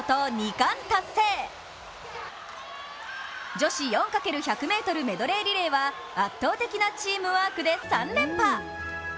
女子４×１００ｍメドレーリレーは圧倒的なチームワークで３連覇。